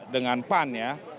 dengan pan ya